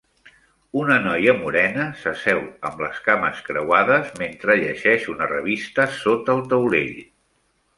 Una noia morena s'asseu amb les cames creuades mentre llegeix una revista sota el taulell.